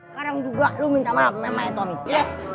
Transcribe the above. sekarang juga lo minta maaf ya ma tommy